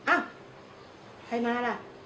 อ้าวใครมาล่ะ